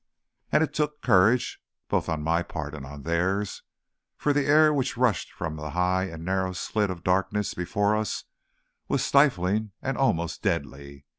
And it took courage, both on my part and on theirs; for the air which rushed from the high and narrow slit of darkness before us was stifling and almost deadly.